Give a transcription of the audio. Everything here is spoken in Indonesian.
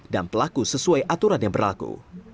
dan pelaku sesuai aturan yang berlaku